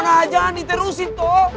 sudah nona jangan diterusin toh